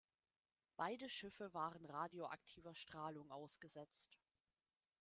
Beide Schiffe waren radioaktiver Strahlung ausgesetzt.